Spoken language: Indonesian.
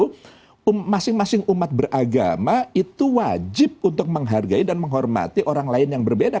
karena masing masing umat beragama itu wajib untuk menghargai dan menghormati orang lain yang berbeda